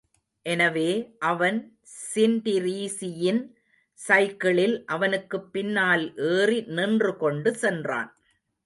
எனவே அவன் ஸின்டிரீஸியின் சைக்கிளில் அவனுக்குப் பின்னால் ஏறி நின்று கொண்டு சென்றான்.